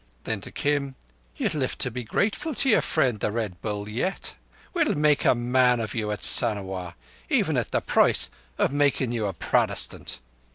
Then to Kim: "You'll live to be grateful to your friend the Red Bull yet. We'll make a man of you at Sanawar—even at the price o' making you a Protestant."